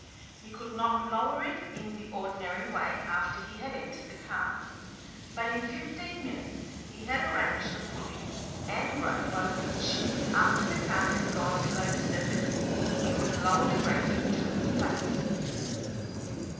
He could not lower it in the ordinary way after he had entered the car, but in fifteen minutes he had arranged a pulley and rope by which, after the car had gone below the surface, he could lower the grating to its place.